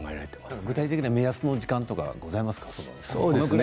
具体的な目安の時間とかありますか？